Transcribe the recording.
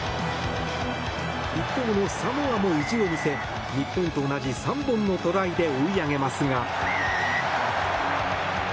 一方のサモアも意地を見せ日本と同じ３本のトライで追い上げますが。